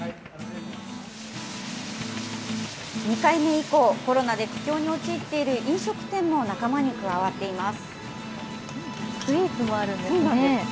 ２回目以降、コロナで苦境に陥っている飲食店も仲間に加わっています。